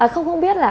không biết là